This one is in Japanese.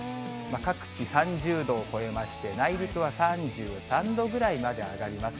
各地３０度を超えまして、内陸は３３度ぐらいまで上がります。